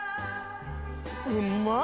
うまっ！